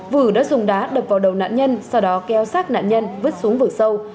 vử đã dùng đá đập vào đầu nạn nhân sau đó kéo sát nạn nhân vứt xuống vực sâu